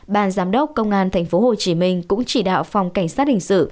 ban giám đốc công an tp hcm cũng chỉ đạo phòng cảnh sát hình sự